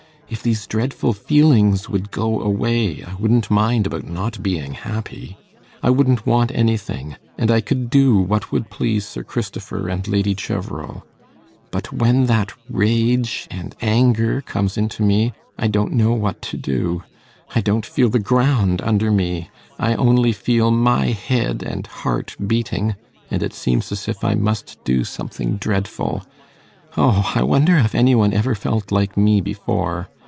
If these dreadful feelings would go away, I wouldn't mind about not being happy. I wouldn't want anything and I could do what would please Sir Christopher and Lady Cheverel. But when that rage and anger comes into me, I don't know what to do. I don't feel the ground under me; I only feel my head and heart beating, and it seems as if I must do something dreadful. O! I wonder if any one ever felt like me before.